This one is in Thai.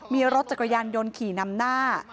มีรถจักรยานยนต์ขี่นำหน้า